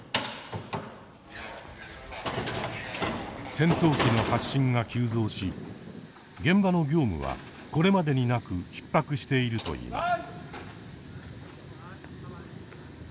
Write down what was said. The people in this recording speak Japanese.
戦闘機の発進が急増し現場の業務はこれまでになく逼迫しているといいます。